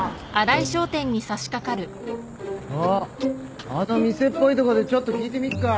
あっあの店っぽいとこでちょっと聞いてみっか。